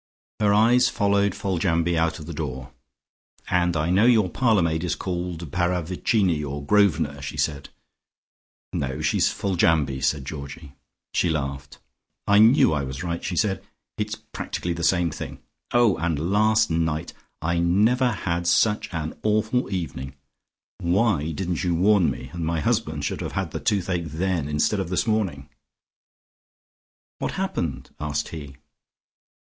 Her eyes followed Foljambe out of the door. "And I know your parlour maid is called Paravicini or Grosvenor," she said. "No, she is Foljambe," said Georgie. She laughed. "I knew I was right," she said. "It's practically the same thing. Oh, and last night! I never had such an awful evening. Why didn't you warn me, and my husband should have had toothache then instead of this morning." "What happened?" asked he.